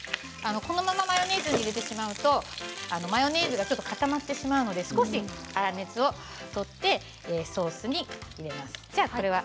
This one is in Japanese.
このままマヨネーズを入れてしまうとマヨネーズが固まってしまうので粗熱を取ってソースに入れます。